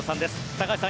高橋さん